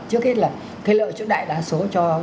trước hết là cái lợi trước đại đa số